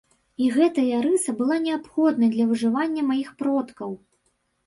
І гэтая рыса была неабходнай для выжывання маіх продкаў!